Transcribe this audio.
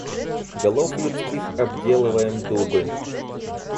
Голов людских обделываем дубы.